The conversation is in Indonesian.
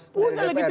ya ini legitimasi